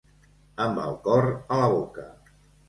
Amb el cor a la boca.